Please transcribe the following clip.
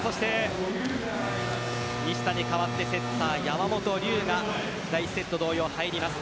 西田に代わってセッター・山本龍が第１セット同様、入ります。